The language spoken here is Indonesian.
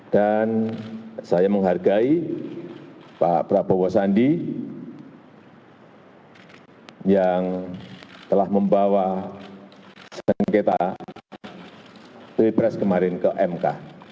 dan saya menghargai pak prabowo sandi yang telah membawa sengketa di press kemarin ke mk